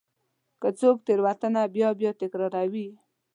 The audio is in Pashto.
که څوک تېروتنه بیا بیا تکراروي.